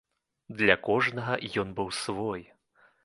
Для кожнага ён быў свой.